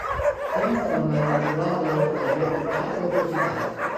Hi ha una forma de calcular el valor del bé ocupat o aprofitat.